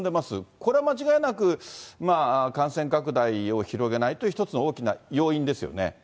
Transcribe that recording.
これは間違いなく、感染拡大を広げないという一つの大きな要因ですよね。